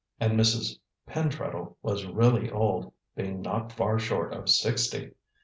And Mrs. Pentreddle was really old, being not far short of sixty.